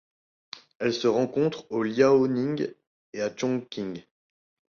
Elle se rencontre au Liaoning et à Chongqing.